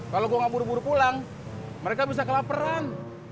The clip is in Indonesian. kalo gua ga buru buru pulang mereka bisa kelaperan